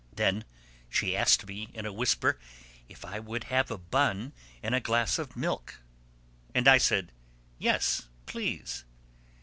Then she asked me in a whisper if I would have a bun and a glass of milk. And I said, "Yes, please."